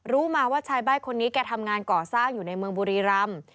รู้มาว่าชายใบ้คนนี้แกทำงานก่อสร้างอยู่ในเมืองบุรีรำ